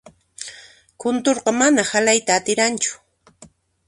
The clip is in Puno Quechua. Kunturqa mana halayta atiranchu.